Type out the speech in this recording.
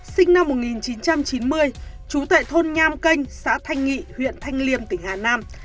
sinh năm một nghìn chín trăm chín mươi trú tại thôn nham canh xã thanh nghị huyện thanh liêm tỉnh hà nam